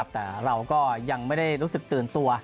แต่เราก็ยังไม่ได้รู้สึกตื่นตัว